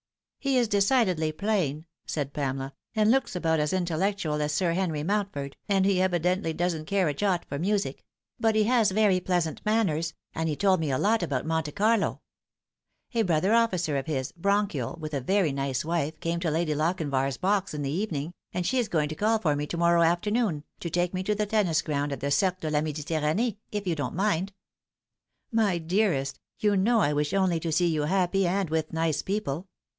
"He is decidedly plain," said Pamela, "and looks about as intellectual as Sir Henry Mountford, and he evidently doesn't care a jot for music ; but he has very pleasant manners, and he told me a lot about Monte Carlo. A brother officer of his, bronchial, with a very nice wife, came to Lady Lochinvar's box in the evening, and she is going to call for me to morrow after noon, to take me to the tennis ground at the Cercle de la Mediterranee, if you don't mind." 242 The Fatal Three. " My dearest, you know I wish only to see you happy and with nice people.